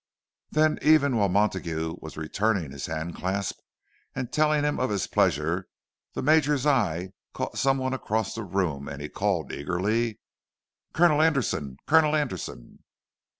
Then, even while Montague was returning his hand clasp and telling him of his pleasure, the Major's eye caught some one across the room, and he called eagerly, "Colonel Anderson! Colonel Anderson!"